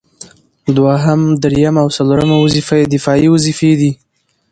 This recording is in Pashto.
دوهم، دريمه او څلورمه وظيفه يې دفاعي وظيفي دي